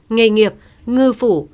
nghề nghiệp ngư phủ